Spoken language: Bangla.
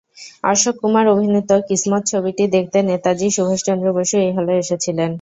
অশোক কুমার অভিনীত "কিসমত" ছবিটি দেখতে নেতাজি সুভাষচন্দ্র বসু এই হলে এসেছিলেন।